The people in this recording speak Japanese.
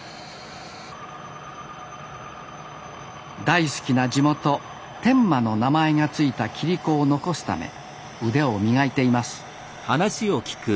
大好きな地元天満の名前が付いた切子を残すため腕を磨いています